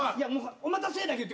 「お待たせ」だけ言って。